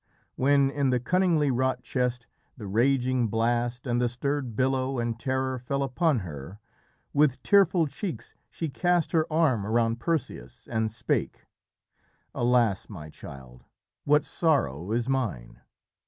"When in the cunningly wrought chest the raging blast and the stirred billow and terror fell upon her, with tearful cheeks she cast her arm around Perseus and spake, 'Alas, my child, what sorrow is mine!